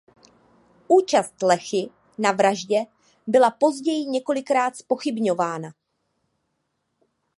Účast Lechi na vraždě byla později několikrát zpochybňována.